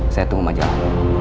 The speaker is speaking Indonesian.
saya tunggu majalah